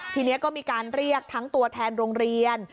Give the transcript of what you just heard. ทีนี้ก็มีการเรียกทั้งตัวแทนโรงเรียน